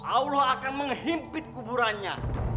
allah akan menghimpit kuburannya